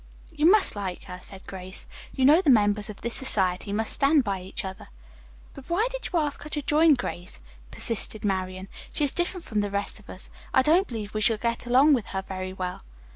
"You must like her," said Grace. "You know the members of this society must stand by each other." "But why did you ask her to join, Grace?" persisted Marian. "She is different from the rest of us. I don't believe we shall get along with her very well."